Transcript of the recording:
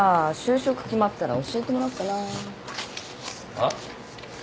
あっ？